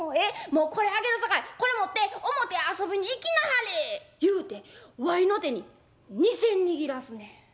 もうこれあげるさかいこれ持って表遊びに行きなはれ』言うてわいの手に２銭握らすねん。